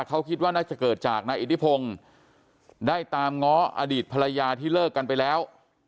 เขาคิดว่าน่าจะเกิดจากนายอิทธิพงศ์ได้ตามง้ออดีตภรรยาที่เลิกกันไปแล้ว